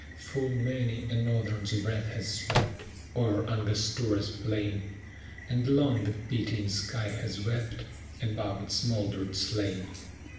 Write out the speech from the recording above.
Full many a norther's breath has swept, O'er Angostura's plain And long the pitying sky has wept Above its mouldered slain.